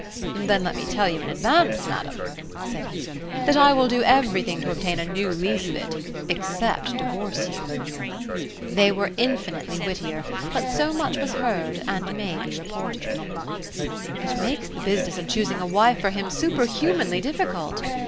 "Then let me tell you in advance, madam," said he, "that I will do everything to obtain a new lease of it, except divorce you." They were infinitely wittier, but so much was heard and may be reported. "It makes the business of choosing a wife for him superhumanly difficult!"